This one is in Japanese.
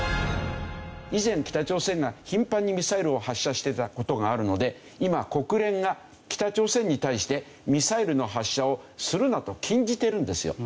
以前北朝鮮が頻繁にミサイルを発射してた事があるので今国連が北朝鮮に対してミサイルの発射をするなと禁じてるんですよ。